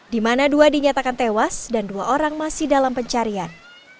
di mana dua dinyatakan tewas dan dua orang masih dalam pencarian